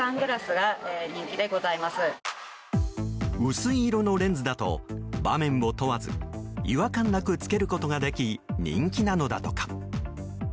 薄い色のレンズだと場面を問わず違和感なく着けることができ人気なのだとか。